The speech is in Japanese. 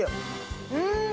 うん！